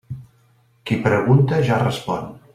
Qui pregunta, ja respon.